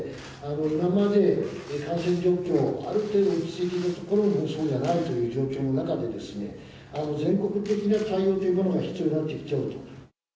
今まで感染状況が、ある程度落ち着いていたところもそうではないという状況の中で全国的な対応というものも必要になってきている。